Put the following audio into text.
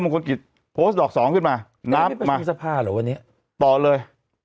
คลกิจโพสต์ดอกสองขึ้นมาน้ำมาพฤษภาเหรอวันนี้ต่อเลย